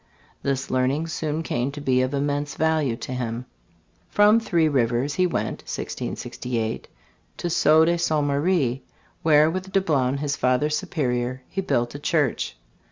This learning soon came to be of immense value to him. From Three Rivers he went (1668) to Sault de Ste. Marie, where with Dablon, his Father Superior, he built a church.